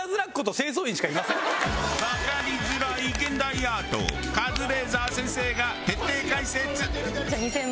わかりづらい現代アートをカズレーザー先生が徹底解説！